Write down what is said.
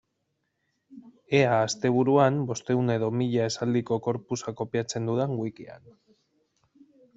Ea asteburuan bostehun edo mila esaldiko corpusa kopiatzen dudan wikian.